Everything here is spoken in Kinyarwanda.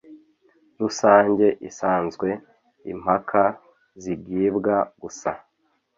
Rusange isanzwe Impaka zigibwa gusa